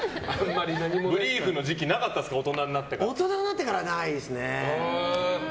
ブリーフの時期大人になってから大人になってからはないですね。